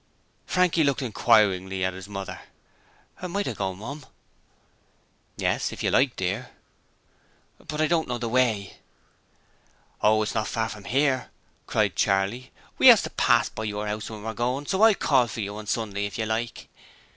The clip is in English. Frankie looked inquiringly at his mother. 'Might I go, Mum?' 'Yes, if you like, dear.' 'But I don't know the way.' 'Oh, it's not far from 'ere,' cried Charley. 'We 'as to pass by your 'ouse when we're goin', so I'll call for you on Sunday if you like.'